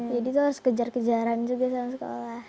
jadi itu harus kejar kejaran juga sama sekolah